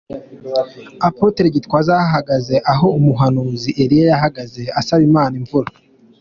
Apotre Gitwaza ahagaze aho umuhanuzi Eliya yahagaze asaba Imana imvura.